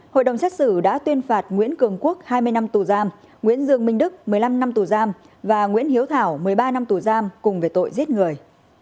hội đồng xét xử đã tuyên phạt nguyễn cường quốc hai mươi năm tù giam nguyễn dương minh đức một mươi năm năm tù giam và nguyễn hiếu thảo một mươi ba năm tù giam cùng về tội giết người